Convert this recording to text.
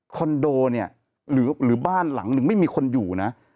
โดเนี่ยหรือบ้านหลังหนึ่งไม่มีคนอยู่นะ